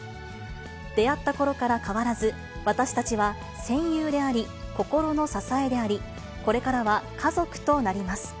出会ったころから変わらず、私たちは戦友であり、心の支えであり、これからは家族となります。